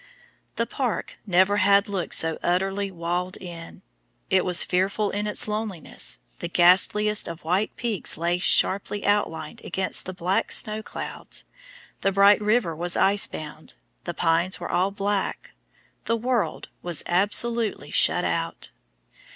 The park never had looked so utterly walled in; it was fearful in its loneliness, the ghastliest of white peaks lay sharply outlined against the black snow clouds, the bright river was ice bound, the pines were all black, the world was absolutely shut out.